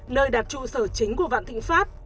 nơi đặt trụ sở chính của vạn thịnh pháp